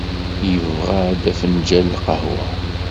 Yebɣa-d afenǧal n lqahwa.